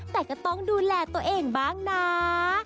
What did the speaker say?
แต่ก็ต้องดูแลตัวเองบ้างนะ